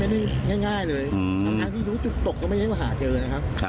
ไม่ได้ง่ายง่ายเลยอืมทั้งที่รู้จุดตกก็ไม่ได้ว่าหาเจอนะครับ